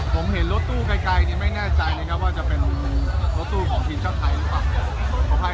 ผมเห็นรถตู้ไกลไม่แน่ใจนะครับว่าจะเป็นรถตู้ของทีมชาติไทยหรือเปล่า